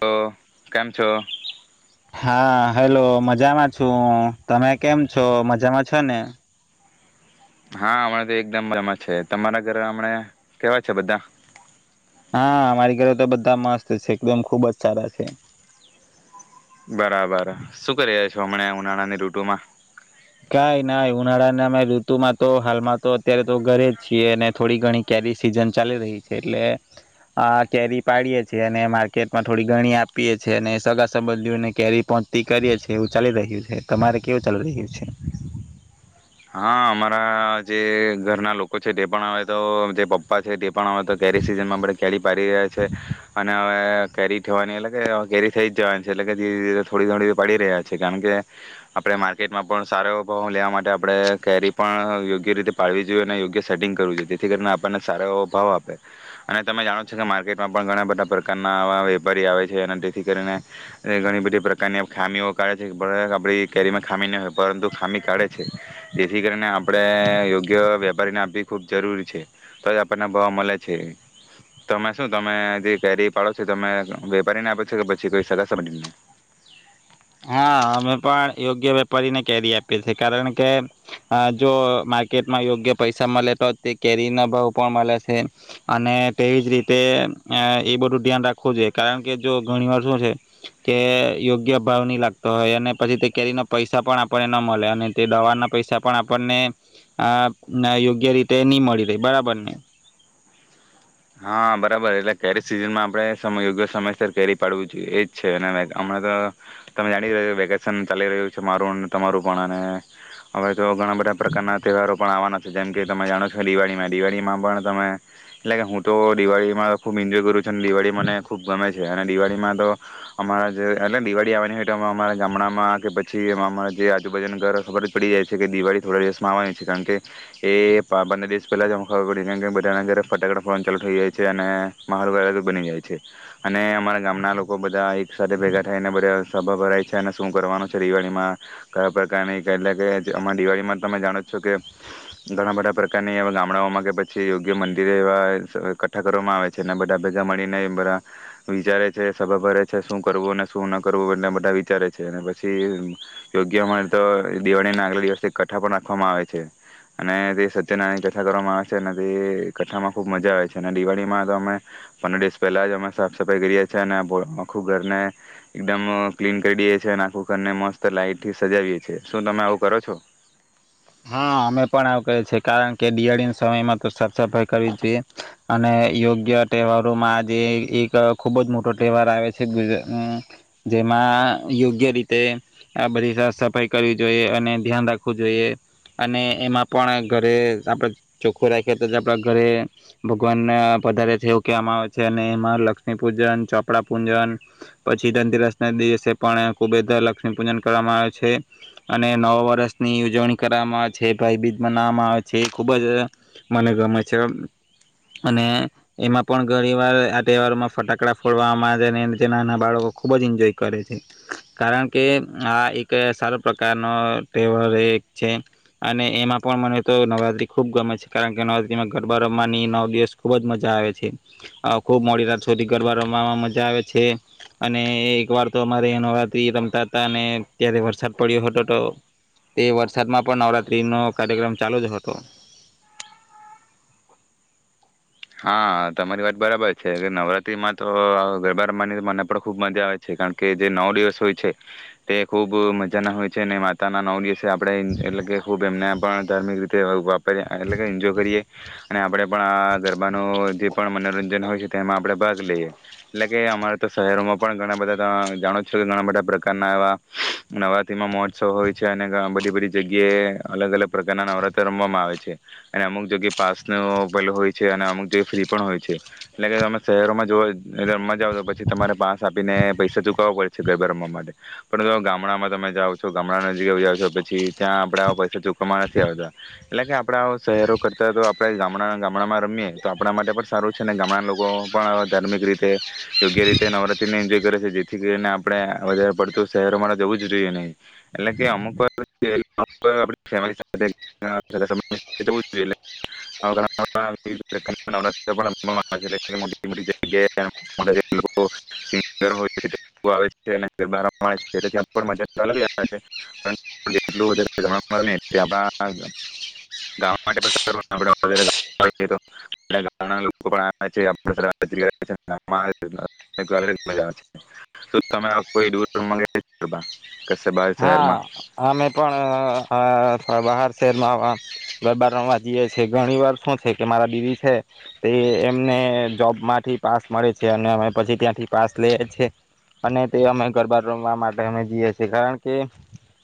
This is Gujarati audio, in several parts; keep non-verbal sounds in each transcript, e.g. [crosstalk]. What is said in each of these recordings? તો કેમ છો? હા હેલો મજામાં છું હું તમે કેમ છો મજામાં છો ને? હા હમણા તો એકદમ મજામાં છીએ તમારા ઘરે હમણા કેવા છે બધા? હા અમારી ઘરે તો બધા મસ્ત છે એકદમ ખુબ જ સારા છે. બરાબર શું કરી રહ્યા છો હમણાં ઉનાળાની ઋટુમા? ઉનાળાને અમે ઋતુમાં તો હાલમાં તો અત્યારે તો ઘરે જ છીએ અને થોડી ઘણી કેરી સિઝન ચાલી રહી છે એટલે, આ કેરી પાડીએે છીએ અને માર્કેટમાં થોડી ગણી આપીએ છીએ અને સગા સંબંધીઓને કેરી પહોચતી કરીએ છીએ એવું ચાલી રહ્યું છે તમારે કેવું ચાલી રહ્યું છે? હા અમારા જે ઘરના લોકો છે તે પણ આવે તો જે પપ્પા છે તે પણ આવે તો કેરી સિઝનમાં અમણે કેરી પાડી રહ્યા છે, અને હવે કેરી થવાની એટલે કે કેરી થઈ જ જવાની છે એટલે કે ધીરે-ધીરે થોડી થોડી પડી રહ્યા છે કારણ કે, આપણે માર્કેટમાં પણ સારો એવો ભાવ લેવા માટે આપણે કેરી પણ યોગ્ય રીતે પાળવી જોઈએ અને યોગ્ય સેટિંગ કરવું જોઈએ તેથી કરીને આપણને સારો એવો ભાવ આપે, અને તમે જાણો છો કે માર્કેટમાં પણ ઘણા બધા પ્રકારના આવા વેપારી આવે છે અને તેથી કરીને, ઘણી બધી પ્રકારની ખામીઓ કાઢે છે આપણી કેરીમાં ખામી નહી હોય પરંતુ ખામી કાઢે છે. જેથી કરીને આપણે યોગ્ય વ્યપારીને આપવી ખૂબ જરૂરી છે, તો જ આપણને ભાવ મલે છે, તમે શું તમે જે કેરી પાડો છો તમે વ્યપારીને આપો છો કે પછી કોઈ સગા સંબંધી ને? હા અમે પણ યોગ્ય વ્યપારીને કેરી આપી છે કારણ કે, અ જો માર્કેટમાં યોગ્ય પૈસા મલે તો જ તે કેરી ના ભાવ પણ મલે છે, અને તેવી જ અ રીતે એ બધું ધ્યાન રાખવું જોઈએ કારણ કે જો ઘણી વાર શું છે કે યોગ્ય ભાવ નહી લાગતો હોય અને પછી તે કેરી ના પૈસા પણ આપણને ન મલે અને તે દવાના પૈસા પણ આપણને, અ યોગ્ય રીતે ની મળી રેય બરાબર ને. હા બરાબર એટલે કેરી સિઝનમાં આપણે સમય યોગ્ય સમયસર કેરી પાડવું જોઈએ એજ છે અને હમણા તો, તમે જાણી રહ્યા વેકેશન ચાલી રહ્યું છે મારું અન તમારું પણ અને, હવે તો ઘણા બધા પ્રકારના તહેવારો પણ આવવાના છે જેમ કે તમે જાણો છો દિવાળીમાં દિવાળીમાં પણ તમે એટલે કે હું તો દિવાળીમાં ખૂબ એન્જોય કરવું છે, અને દિવાળી મને ખૂબ ગમે છે, અને દિવાળીમાં તો અમારા જે એટલે દિવાળી આવવાની હોય તો અ અમારા ગામડામાં કે પછી અમારા જે આજુબાજુના ઘર ખબર જ પડી જાય છે, કે દિવાળી થોડા દિવસમાં આવવાની હોય છે કારણ કે એ બંને દિવસ પહેલાં જ અમ ખબર પડી કારણ કે બધાના ઘરે ફટાકડા ફોડવાનું ચાલુ થઈ જાય છે અને માહોલ અલગ બની જાય છે, અને અમારા ગામના લોકો બધા એક સાથે ભેગા થઈને બધા સભા ભરાય છે અને શું કરવાનું છે દિવાળીમાં, કયા પ્રકારની એટલે કે આમાં દિવાળીમાં તમે જાણો જ છો કે, ઘણા બધા પ્રકારની એવા ગામડાઓમાં કે પછી યોગ્ય મંદિરે એવા કઠ્ઠા કરવામાં આવે છે ને બધા ભેગા મળીને બધા, વિચારે છે સભા ભરે છે શું કરવું અને શું ન કરવું એટ બધા વિચારે છે, અને પછી યોગ્ય મળે તો દિવાળી ના આગલા દિવસથી કથ્ઠા પણ રાખવામાં આવે છે, અને તે સત્યનારાયણ ની કથા કરવામાં આવે છે અને તે કથામાં ખૂબ ખબ મજા આવે છે અને દિવાળીમાં તો અમે, પંદર દિવસ પહેલા જ અમે સાફ સફાઈ કરીએ છીએ અને આખું ઘરને એકદમ ક્લીન કરી દઈએ છીએ અને, આખું ઘરને મસ્ત લાઈટ થી સજાવીએ દયે છીએ. શું તમે આવું કરો છો? હા અમે પણ આવું કર્યે છે કારણ કે દિવાળી ના સમયમાં તો સબ સફાઈ કરવી જોઈએ, અને યોગ્ય તહેવારોમાં આ જેે એક ખૂબ જ મોટો તહેવાર આવે છે ગુજરા-અ જેમાં યોગ્ય રીતે આ બધી સાફ સફાઈ કરવી જોઈએ અને ધ્યાન રાખવું જોઈએ. અને એમાં પણ ઘરે આપડ ચોખ્ખું રાખીએ તો આપડા, ઘરે ભગવાનને પધારે જેવ કહેવામાં આવે છે અને એમાં લક્ષ્મી પૂજન, ચોપડા પૂજન, પછી ધનતેરસ ના દિવસે પણ ખુબ લક્ષ્મી પૂજન કરવામાં આવે છે, અને નવા વર્ષ ની ઉજવણી કરવામાં આવે છે ભાઈબીજ મનાવવામાં આવે છે એ ખૂબ જ, મને ગમે છે, અને એમાં પણ ઘણી વાર આ તહેવારમાં ફટાકડા ફોડવામાં આવે છે અને જે નાના બાળકો ખૂબ જ એન્જોય કરે છે, કારણ કે આ એક સારો પ્રકારનો તહેવાર, એક અને એમાં પણ મને તો નવરાત્રી ખુબ ગમે છે કારણ કે નવરાત્રીમાં ગરબા રમવાની નવ દિવસ ખુબ જ મજા આવે છે, ખુબ મોડી રાત સુધી ગરબા રમવાવામાં મજા આવે છે, અને એક વાર તો અમારે નવરાત્રી રમતા હતા અને ત્યારે વરસાદ પડ્યો હતો તો તે વરસા દમાં પણ નવરાત્રી નો કાર્યક્રમ ચાલુ જ હતો. હા તમારી વાત બરાબર છે નવરાત્રીમાં તો ગરબા રમવાની મને પણ ખુબ મજા આવે છે કારણ કે જે નવ દિવસ હોય છે, તે ખુબ મજા ના હોય છે અને માતા ના નવ- દિવસે આપણેે એટલે કે ખુબ એમને પણ ધાર્મિક રીતે [unintelligible] એટલે કે એન્જોય કરીએ. અને આપડે પણ આ ગરબા પણ મનોરંજન હોય છે તેમાં આપણે ભાગ લઈએ એટલે કે અમારે તો શહેરોમાં પણ ઘણા બધા ત જાણો છો કે ઘણા બધા પ્રકારના એવા નવરાત્રીમાં મહોત્સવ હોય છે અને બધી બધી જગ્યાએ અલગ અલગ પ્રકારના નવરાત્ર રમવામાં આવે છે અને અમુક જગ્યાએ પાસનો પેલો હોય છે. અને અમુક જગ્યાએ ફ્રી પણ હોય છે એટલે કે તમે શહેરોમાં જો રમવા જઓ તો પછી તમારે પાસ આપીને પૈસા ચુકવવા પડે છે ગરબા રમવા માટે પરંતુ ગામડામાં તમે જાઓ છો ગામડા નજીક જાઓ છો પછી ત્યાં આપણેે પૈસા ચુકવવામાં નથી આવતા એટલે કે આપડા શહેરો કરતા તો આપડા ગામડાના રમીએ તો આપણા માટે પણ સારું છે ને ગામડા લોકો પણ ધાર્મિક રીતે યોગ્ય રીતે નવરાત્રીને એન્જોય કરે છે જેથી કરીને આપણે વધારે પડતું શહેરોમાં જવું જ જોઈએ નહી એટલે કે અમુક વાર આપડે ફેમીલી સાથે [inaudible] નવ આવે છે. નવરાત્રી મોટી જગ્યાએ પર રમવામાં આવે છે. [inaudible] આપડા ગામડાણા લોકો પણ આવે છે આવે તમે કોઈ [inaudible] શહેરમાં હા અમે પણ બહાર શહેરમાં ગરબા રમવા જઈએ છ છે ઘણી વાર શું છે કે મારા દીદી છે તે એમને જોબમાંથી પાસ મળે છે અને અમે પછી ત્યાંથી પાસ લઈએ છેએ અને તે અમે ગરબા રમવા માટે અમે જઈએ છીએ. કારણકે કે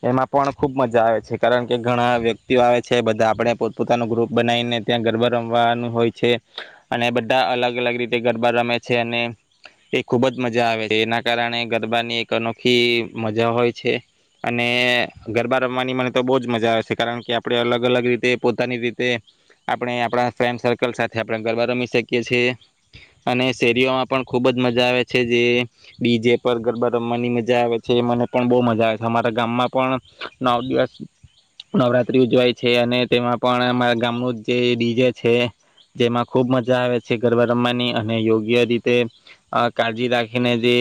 એમાં પણ ખૂબ મજા આવે છે કારણ કે ઘણા વ્યક્તિઓ આવે છે બધા આપણે પોતપોતાનો ગ્રુપ બનાવીને ત્યાં ગરબા રમવાનું હોય છે અને બધા અલગ અલગ રીતે ગરબા રમે છે અને એ ખૂબ જ મજા આવે છે એના કારણે ગરબાની એક અનોખી મજા હોય છે. અને ગરબા રમવાની મને તો બહજ મજા આવે છે કારણ કે આપણે અલગ અલગ રીતે પોતાની રીતે આપણે આપણા ફ્રેન્ડ સર્કલ સાથે આપ ગરબા રમી શકીએ છએ અને શેરીઓમાં પણ ખુબ જ મજા આવે છે જે ડી જે પર ગરબા રમવાની મજા આવે છે મને પણ બહુ મજા આવે છે. અમારા ગામમાં પણ નવ દિવસ નવરાત્રી ઉજવાય છે અને તેમાં પણ અમારા ગામનું જે ડીજે છે જેમાં ખુબ મજા આવે છે ગરબા રમવાની અને યોગ્ય રીતે કાળજી રાખીને જે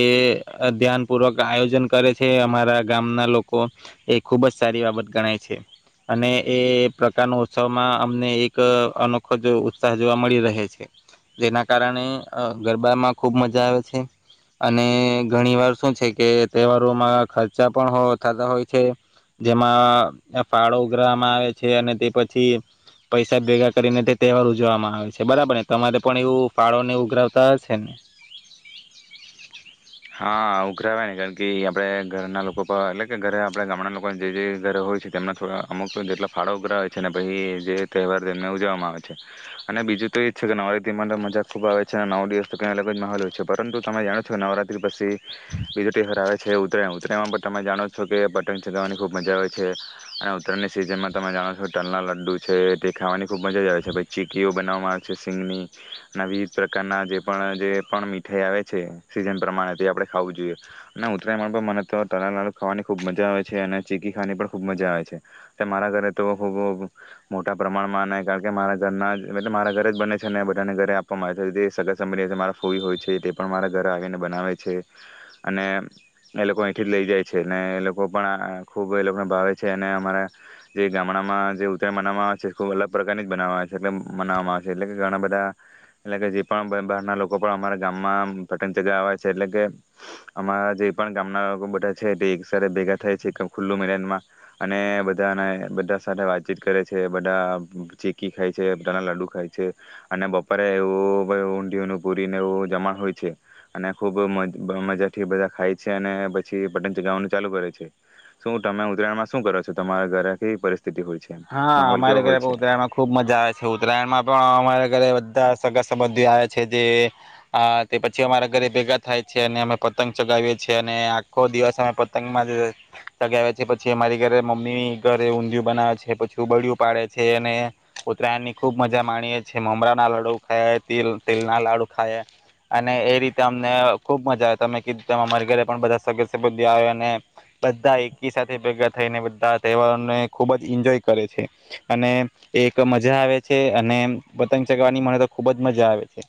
ધ્યાન પૂર્વક આયોજન કરે છે અમારા ગામના લોકો એ ખુબ જ સારી બાબત ગણાય છે અને એ પ્રકારનો ઉત્સવમાં અમને એક અનોખો જ ઉત્સાહ જોવા મળી રહે છે. જેના કારણે ગરબામાં ખુબ મજા આવે છે. અને ઘણી વાર શું છે કે તહેવારોમાં ચા પણ થતા હોય છે જેમાં ફાળો ઉઘરાવામાં આવે છે. અને તે પછી પૈસા ભેગા કરીને તે તહેવાર ઉજવવામાં આવે છે બરાબર ને તમારે પણ એવું ફાળોને ઉઘરાવતા હશે ને? હા ઉઘરાવે ને કારણ કે આપડે ઘરના લોકો પણ એટલે કે ઘરે આપડ ગામડા લોકો જે ઘરે હોય છે તેમના થોડા અમુક જેટલા ફાળો ઉઘરાવે છે ને પછી જે તહેવાર તેમને ઉજવવામાં આવે છે અને બીજું તો એ જ છે કે નવરાત્રી માં મજા ખુબ આવે છે અને નવ દિવસ તો કંઈ અલગ જ માહોલ હોય છે પરંતુ તમે જાણો છો કે નવરાત્રી [inaudible] વિજેતા હરાવે છે ઉત્તરાયણ ઉત્તરાણમાં પણ તમે જાણો છો કે પટંગ ચગાવવાની ખૂબ મજા આવે છે અને ઉત્તરાણની સિઝનમાં તમે જાણો છો તલના લડ્ડુ છે તે ખાવાની ખૂબ મજા આવે છે પછ ચીકીઓ બનાવવામાં આવે છે શિંગની અને વિધ પ્રકારના જે પણ જે પણ મીઠાઈ આવે છે સીઝન આપણે ખાવું જોઈએ અને ઉત્તરાયણ પર મને તો તલા લ ખાવાની ખૂબ મજા આવે છે અને ચીકી ખાની પણ ખૂબ મજા આવે છે એ મારા ઘરે તો ખૂબ મોટા પ્રમાણમાં ન કારણ કે મારા ઘરના મારા ઘરે જ બને છે અનેને બધાને ઘરે આપવામાં આવે છે સગ સંભી છે મારા ફૂઈ હોય છે તે પણ મારા ઘરે આવીને બનાવે છે અને એ લોકો અહીથી જ લઈ જાય છે એ લોકો પણ ખુબ એ લોકોને ભાવે છે અને અમારા જે ગામડામાં જે ઉતરાયણ મનાવવામાં આવે છે ખુબ અલગ પ્રકારની જ બનાવામાં આવે છે. એ મનાવામાં આવે છે. એટલે કે ઘણા બધા એટલે કે જે પણ બહાર ના લોકો પણ અમારા ગામમાં પ જગા આવે છે એટલે કે અમારા જે પણ ગામના લોકો બધા છે તે એક સાથે ભેગા થાય છે ખુલ્લું મેદાનમાં અને બધાને બધા સાથે વાતચીત કરે છે બધા ચીકી ખાય છે બધાના લા્ડુ ખાય છે અને બપોરે એવું ઊંધીયું ઓનું પૂરીને એવું જમણ હોય છે. અને ખુબ મજાથી બધા ખાય છે અને પછી પતંગ ચગાવવાનું ચાલુ કરે છે. શું તમે ઉત્તરાયણમાં શું કરો છો તમારા ઘરે પરિસ્થિતિ? હોય છે હા માહોલ અમારે કેવો હોય ઘરે છે પણ ઉત્તરાયણમાં ખુબ મજા આવે છે ઉત્તરાયણ માં પણ અમારે ઘરે બધ સગા સંબંધ આવે છે જે તે પછી અમારા ઘરે ભેગા થાય છે અને અમે પતંગ ચગાવીઈએ છીએ અને આખો દિવસ અમે પતંગમાં ચગાવી છીએ પછી અમારી ઘરે મમ્મી ઘરે ઊંધિયું બનાવે છે. પછી ઉબડ્યું પાડે છે અને ઉત્તરાયણ ની ખુબ મજા માણીએ છીએ મમરા ના લાડુ ખાલ તલ ના લાડુ ખાય અને એ રીતે અમને ખુબ મજા આવે તમે કીધું તમારે ઘરે પણ બધા સગા સંબંધીઓ બધી આવે અને બધા એકી સાથે ભેગા થઈને બધા તહેવારોને ખુબ જ એન્જોય કરે છે. અને એક મજા આવે છે. અને પતંગ ચગાવવાની મને તો ખૂબ જ મજા આવે છે.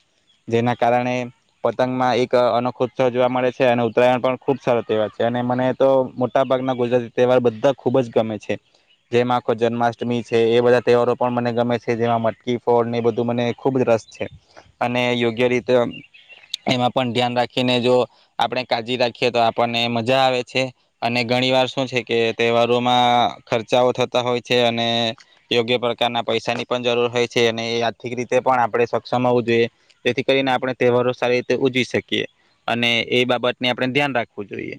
જેના કારણે પતંગમાં એક અનોખોત્સવ જોવા મળે છે અને ઉત્તરાયણ પણ ખૂબ સારો તહેવાર છે. અને મને તો મોટા ભાગના ગુજરાતી તહેવાર બધા ખૂબ જ ગમે છે. જેમાં જન્માષ્ટમી છે. એ બધા તહેવારો પણ મને ગમે છે. જેમાં મટકી ફોળ ને એ બધું મને ખુબ જ રસ છે અને યોગ્ય રીતે એમાં પણ ધ્યાન રાખીને જો આપણે કાજી રાખીએ તો આપણને મજા આવે છે અને ઘણી વાર શું છે કે તહેવારોમાં ખર્ચાઓ થ હોય છે અને યોગ્ય પ્રકારના પૈસા ની પણ જરૂર હોય છે અને એ આર્થિક રીતે પણ આપણે સક્ષમ હોવું જોઈએ જેથી કરીને આપણે તહેવારો સારી રીતે ઉજવી શકીએ અને એ બાબતને આપણે ધ્યાન રાખવું જોઈએ.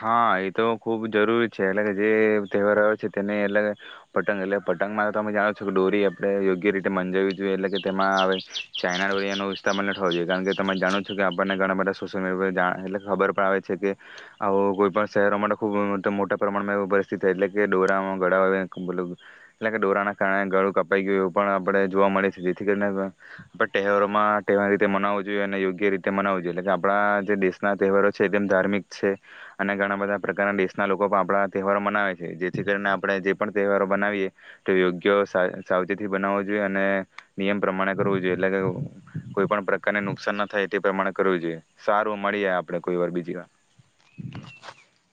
હા એ તો ખુબ જરૂરી છે એટલે કે જે તહેવાર આવે છે તેને એટલે કે પટંગ એટલે પટંગમાં તો તમે જાણો છો કે ડોરી આપણે યોગ્ય રીતે મંજાવવી જોઈએ એટલે કે તેમાં હવે ચાઈના ડોરીયાનો ઇસ્તમાલ ન થવો જોઈએ. કારણ કે તમે જાણો છો કે આપણને ઘણા બધા સોશિયલ મીડિયા એટલે કે ખબર પણ આવે છે કે આવો કોઈ પણ શહેરો માટે ખૂબ મોટા પ્રમાણમાં એ પરિસ્થિતિ થાય, એટલે કે ડોરામાં ગળા આવે મતલબ એટલે કે ડોરાના કારણે ગળું કપાઈ ગયું એવું પણ આપણે જોવા મળે છે. જેથી કરીને આપણે તહેવારોમાં તહેવાર રીતે મનાવું જોઈએ અને યોગ્ય રીતે મનાવવું જોઈએ. એટલે કે આપણા જે દેશના તહેવારો છે તેમ ધાર્મિક છે. અને ઘણા બધા પ્રકારના દેશના લોકો પણ આપણા તહેવારો મનાવે છે જેથી કરીને આપણે જે પણ તહેવારો બનાવીએ તે યોગ્ય સાવચેથી બનાવવો જોઈએ અને નિયમ પ્રમાણે કરવું જોઈએ એટલે કે કોઈ પણ પ્રકારને નુકસાન ના થાય તે પ્રમાણે કરવું જોઈએ સારું મળીએ આપણે કોઈ વાર બીજી વાર. [inaudible]